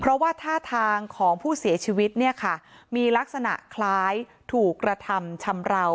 เพราะว่าท่าทางของผู้เสียชีวิตเนี่ยค่ะมีลักษณะคล้ายถูกกระทำชำราว